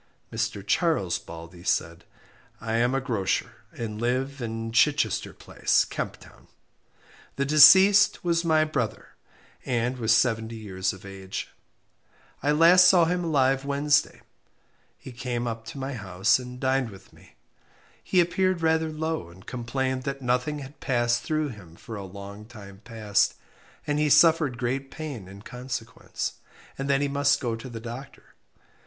Mr. Charles Baldey said I am a grocer, and live in Chichester Place, Kemp Town. The deceased was my brother, and was seventy years of age. I last saw him alive last Wednesday. He came up to my house and dined with me. He appeared rather low, and complained that nothing had passed through him for a long time past, and he suffered great pain in consequence; and that he must go to the doctor.